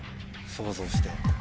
想像して。